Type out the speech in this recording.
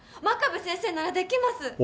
真壁先生ならできます！